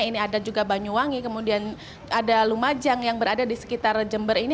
ini ada juga banyuwangi kemudian ada lumajang yang berada di sekitar jember ini